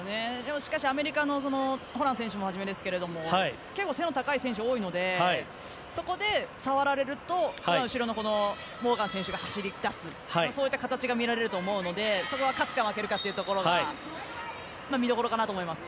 しかしアメリカのホラン選手はじめ結構、背の高い選手が多いのでそこで触られると後ろのモーガン選手が走り出すそういった形が見られると思うのでそこは勝つか負けるかが見どころかなと思います。